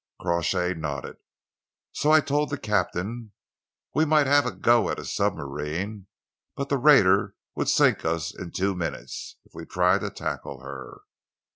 Crawshay nodded. "So I told the captain. We might have a go at a submarine, but the raider would sink us in two minutes if we tried to tackle her.